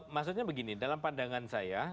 maksudnya begini dalam pandangan saya